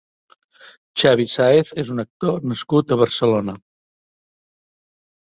Xavi Sáez és un actor nascut a Barcelona.